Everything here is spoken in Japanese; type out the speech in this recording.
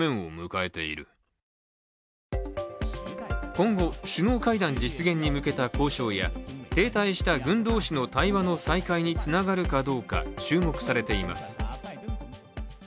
今後、首脳会談実現に向けた交渉や停滞した軍同士の対話の再開につながるかどうか注目されています。